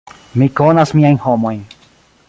Mi konas miajn homojn.